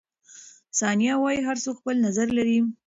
ثانیه وايي، هر څوک خپل نظر لري.